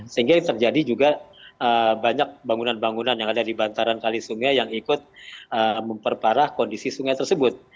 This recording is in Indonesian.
sehingga terjadi juga banyak bangunan bangunan yang ada di bantaran kali sungai yang ikut memperparah kondisi sungai tersebut